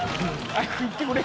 早く行ってくれ。